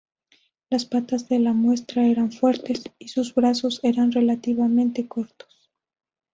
Las patas de la muestra eran fuertes y sus brazos eran relativamente cortos.